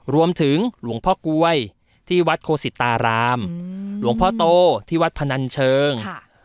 รวมถึงหลวงพ่อกล้วยที่วัดโคสิตารามหือหลวงพ่อโตที่วัดพนันเชิงค่ะ